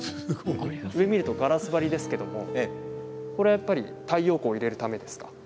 上を見るとガラス張りですけどもこれ、やっぱり太陽光入れるためですか？